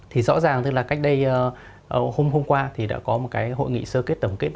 thì rõ ràng cách đây hôm qua đã có một hội nghị sơ kết tổng kết